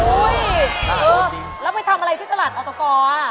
อุ๊ยเออแล้วไปทำอะไรที่สลัดอตกอ่ะ